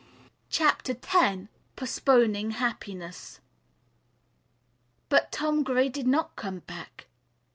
CHAPTER XI POSTPONING HAPPINESS But Tom Gray did not come back.